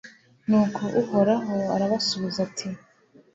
nuko uhoraho arabasubiza ati